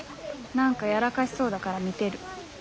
何かやらかしそうだから見てる。